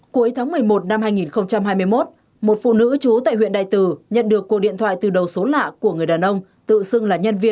cuối tháng một mươi một năm hai nghìn hai mươi một một phụ nữ trú tại huyện đài từ nhận được cuộc điện thoại từ đầu số lạ của người đàn ông